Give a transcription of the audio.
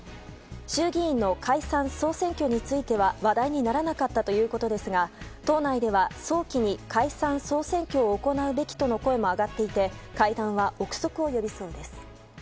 衆議院の解散・総選挙については話題にならなかったということですが党内では早期に解散・総選挙を行うべきとの声も上がっていて会談は憶測を呼びそうです。